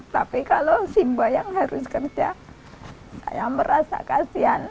tapi kalau simba yang harus kerja saya merasa kasihan